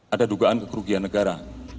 ada dugaan kekerugian negara